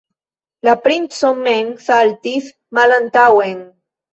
La princo mem saltis malantaŭen.